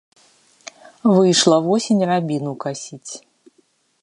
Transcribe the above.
Выйшла восень рабіну касіць.